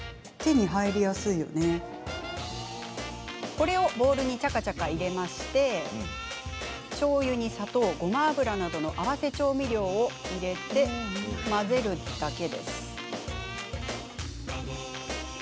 これをボウルにちゃかちゃか入れましてしょうゆに砂糖、ごま油などの合わせ調味料を混ぜるだけ。